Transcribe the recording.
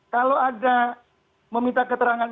kalau ada meminta keterangan